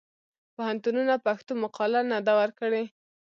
پوهنتونونه پښتو ته مقاله نه ده ورکړې.